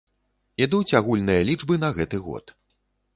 Ідуць агульныя лічбы на гэты год.